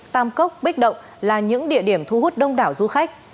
tam cốc bích động là những địa điểm thu hút đông đảo du khách